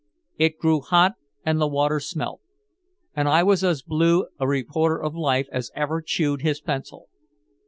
It grew hot and the water smelt. And I was as blue a reporter of life as ever chewed his pencil.